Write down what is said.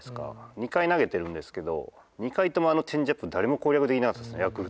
２回投げてるんですけど２回ともあのチェンジアップ誰も攻略できなかったですねヤクルトって。